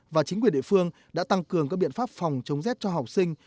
và chính quyền địa phương đã tăng cường các biện pháp phòng chống rét cho học sinh